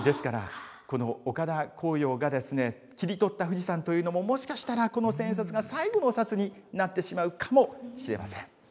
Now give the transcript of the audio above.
ですからこの岡田紅陽が、切り取った富士山というのももしかしたら、この千円札が最後のお札になってしまうかもしれません。